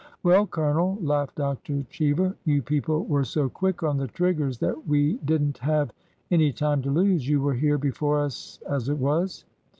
" Well, Colonel," laughed Dr. Cheever, " you people were so quick on the triggers that we did n't have any time to lose. You were here before us, as it was."